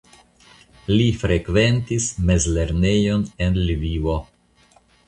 Li frekventis mezlernejon en Lvivo.